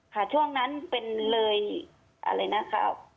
ค่ะช่วงนั้นเป็นเลยอะไรนะครับ